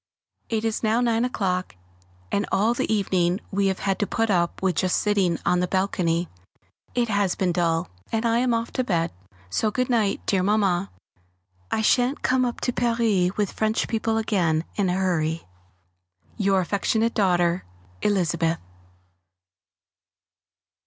It is now nine o'clock, and all the evening we have had to put up with just sitting on the balcony. It has been dull, and I am off to bed, so good night, dear Mamma. I shan't come up to Paris with French people again in a hurry! Your affectionate daughter, Elizabeth.